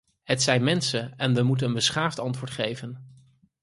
Het zijn mensen en we moeten ze een beschaafd antwoord geven.